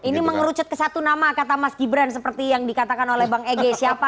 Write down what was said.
ini mengerucut ke satu nama kata mas gibran seperti yang dikatakan oleh bang ege siapa